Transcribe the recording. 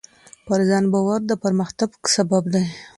پر ځان باور د پرمختګ سبب دی.